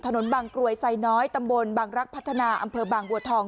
บางกรวยไซน้อยตำบลบางรักพัฒนาอำเภอบางบัวทอง